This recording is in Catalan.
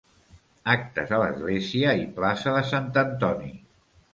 Actes a l'església i plaça de Sant Antoni.